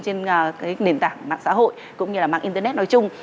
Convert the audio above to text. trên nền tảng mạng xã hội cũng như là mạng internet nói chung